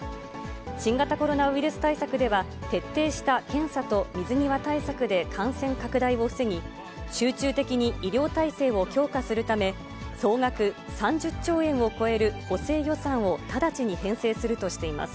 新型コロナウイルス対策では、徹底した検査と水際対策で感染拡大を防ぎ、集中的に医療体制を強化するため、総額３０兆円を超える補正予算を直ちに編成するとしています。